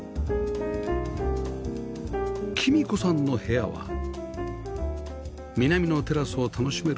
貴美子さんの部屋は南のテラスを楽しめる位置